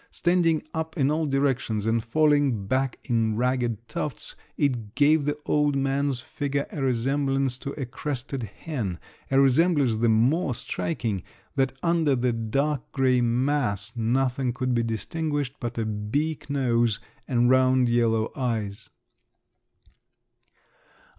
Standing up in all directions, and falling back in ragged tufts, it gave the old man's figure a resemblance to a crested hen—a resemblance the more striking, that under the dark grey mass nothing could be distinguished but a beak nose and round yellow eyes.